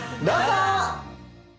どうぞ！